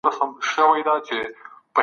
قصاص په قصدي وژنه کي راځي.